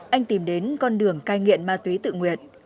anh tìm đến con đường cai nghiện ma túy tự nguyện